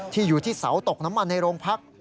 อยู่ที่เสาตกน้ำมันในโรงพัก